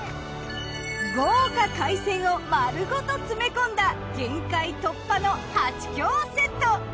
豪華海鮮を丸ごと詰め込んだ限界突破のはちきょうセット。